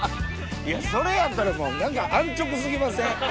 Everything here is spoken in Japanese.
いやそれやったら何か安直過ぎません？